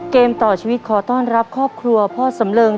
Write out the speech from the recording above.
เกมต่อชีวิตขอต้อนรับครอบครัวพ่อสำเริง